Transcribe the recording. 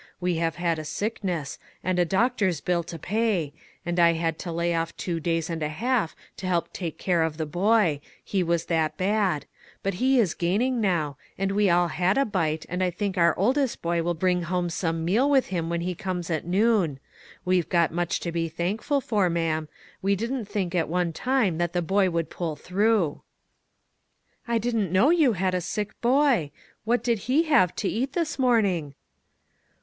We have had sickness, and a doctor's bill to pay, and I had to lay off two days and a half to help take care of the boy, he was that bad, but he is gaining now, and we all had a bite, and I think our oldest boy will bring home some meal with him when he comes at noon. We've got much to be thankful for, ma'am ; we didn't think at one time that the boy would pull through." " I didn't know you had a sick boy ; what did he have to eat this morning?"